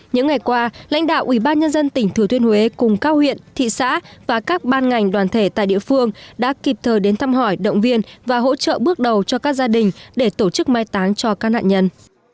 những ngày qua lãnh đạo ủy ban nhân dân tỉnh thừa thiên huế cùng các huyện thị xã và các ban ngành đoàn thể tại địa phương đã kịp thời đến thăm hỏi động viên và hỗ trợ bước đầu cho các gia đình để tổ chức mai táng cho các nạn nhân